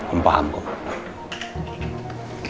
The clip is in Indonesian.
om paham kok